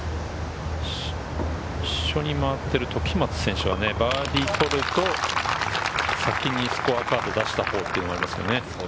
一緒に回っている時松選手はバーディーを取ると、先にスコアカードを出したほうっていうのがありますね。